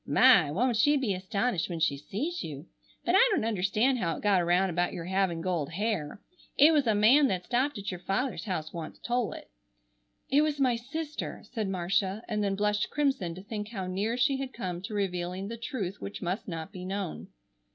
My! Won't she be astonished when she sees you! But I don't understand how it got around about your having gold hair. It was a man that stopped at your father's house once told it——" "It was my sister!" said Marcia, and then blushed crimson to think how near she had come to revealing the truth which must not be known.